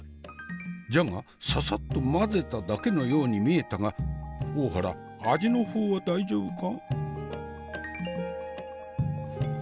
じゃがササッと混ぜただけのように見えたが大原味の方は大丈夫か？